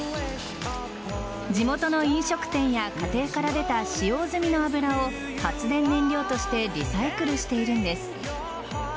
地元の飲食店や家庭から出た使用済みの油を発電燃料としてリサイクルしているんです。